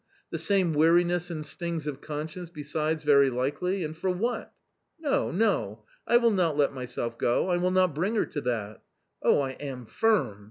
The same weariness and stings of conscience besides very likely, and for what ? No, no ! I will not let myself go, I will not bring her to that Oh ! I am firm